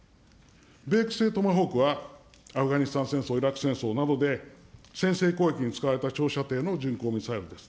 米国製トマホークは、アフガニスタン戦争、イラク戦争などで先制攻撃に使われた長射程の巡航ミサイルです。